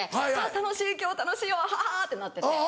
楽しい今日楽しいワハハってなってて。